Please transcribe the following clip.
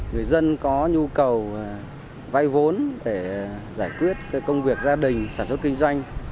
người dân có nhu cầu vay vốn để giải quyết công việc gia đình sản xuất kinh doanh